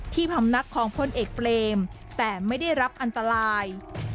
พำนักของพลเอกเปรมแต่ไม่ได้รับอันตราย